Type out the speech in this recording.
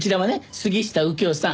杉下右京さん。